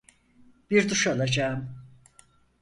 Bir duş alacağım.